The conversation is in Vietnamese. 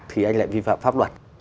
thì anh lại vi phạm pháp luật